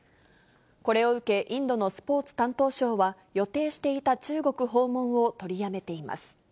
これを受け、インドのスポーツ担当相は予定していた中国訪問を取りやめています。